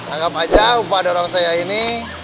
anggap aja umpah dorong saya ini